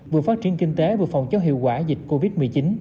vừa phát triển kinh tế vừa phòng chống hiệu quả dịch covid một mươi chín